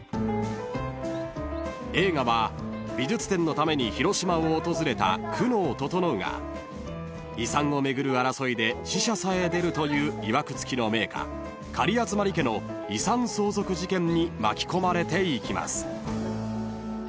［映画は美術展のために広島を訪れた久能整が遺産を巡る争いで死者さえ出るといういわく付きの名家狩集家の遺産相続事件に巻き込まれていきます］